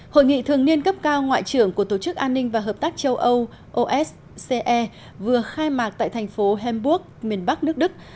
hội nghị thường niên cấp cao ngoại trưởng của tổ chức an ninh và hợp tác châu âu osce vừa khai mạc tại thành phố hamburg miền bắc nước đức